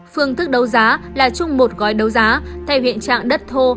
phương thức đấu giá là chung một gói đấu giá thay huyện trạng đất thô